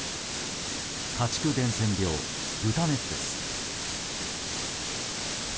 家畜伝染病、豚熱です。